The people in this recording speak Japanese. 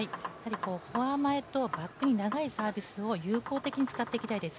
フォア前とバックに長いサービスを有効に使っていきたいです。